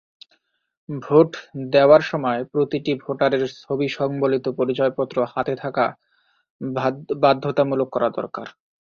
Vote দেওয়ার সময় প্রতিটি ভোটারের ছবিসংবলিত পরিচয়পত্র হাতে থাকা বাধ্যতামূলক করা দরকার।